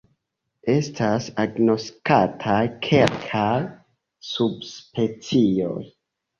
Estas agnoskataj kelkaj subspecioj.